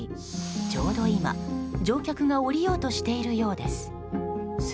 ちょうど今、乗客が降りようとしているようです。